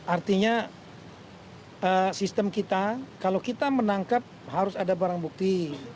artinya sistem kita kalau kita menangkap harus ada barang bukti